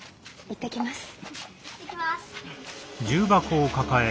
行ってきます。